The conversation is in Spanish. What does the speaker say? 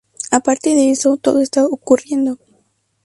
Aparte de eso, todo está ocurriendo...